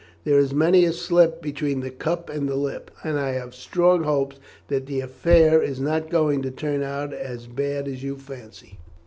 There is many a slip between the cup and the lip, and I have strong hopes that the affair is not going to turn out as bad as you fancy."